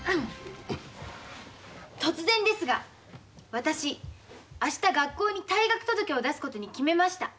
突然ですが私明日学校に退学届を出すことに決めました。